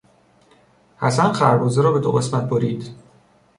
حسن خربزه را به دو قسمت برید.